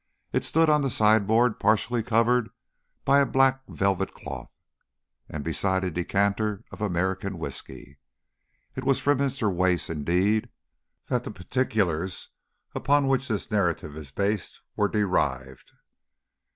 It stood on the sideboard partially covered by a black velvet cloth, and beside a decanter of American whisky. It is from Mr. Wace, indeed, that the particulars upon which this narrative is based were derived.